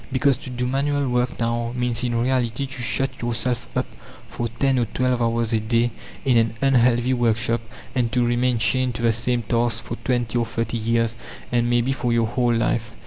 Because, to do manual work now, means in reality to shut yourself up for ten or twelve hours a day in an unhealthy workshop, and to remain chained to the same task for twenty or thirty years, and maybe for your whole life.